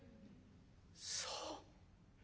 「そう。